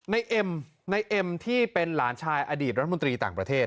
เอ็มในเอ็มที่เป็นหลานชายอดีตรัฐมนตรีต่างประเทศ